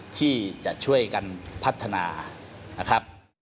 ที่จะช่วยกันพัฒนา